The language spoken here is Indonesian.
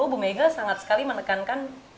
bu mega sangat sekali menekankan